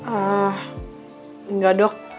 ah enggak dok